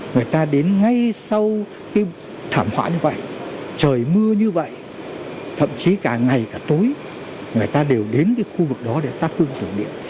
người ta đến ngay sau cái thảm họa như vậy trời mưa như vậy thậm chí cả ngày cả tối người ta đều đến cái khu vực đó để tác hương tưởng niệm